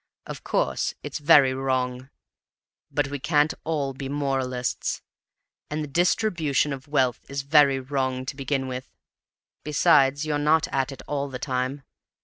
Of course it's very wrong, but we can't all be moralists, and the distribution of wealth is very wrong to begin with. Besides, you're not at it all the time.